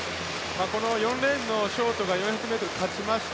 ４レーンのショートが４００ｍ、勝ちました。